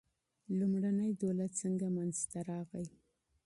لومړنی دولت څنګه منځ ته راغی.